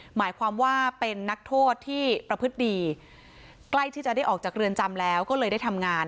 หมายความว่าเป็นนักโทษที่ประพฤติดีใกล้ที่จะได้ออกจากเรือนจำแล้วก็เลยได้ทำงาน